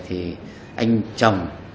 thì anh chồng